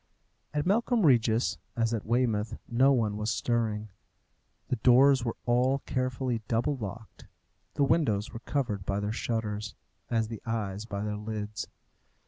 At Melcombe Regis, as at Weymouth, no one was stirring. The doors were all carefully double locked, The windows were covered by their shutters, as the eyes by their lids.